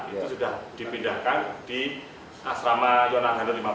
itu sudah dipindahkan di asrama zona lima belas